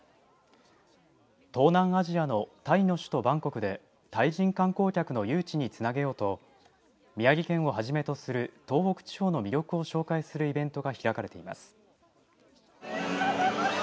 東南アジアのタイの首都バンコクでタイ人観光客の誘致につなげようと宮城県をはじめとする東北地方の魅力を紹介するイベントが開かれています。